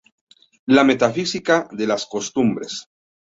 La Metafísica de las Costumbres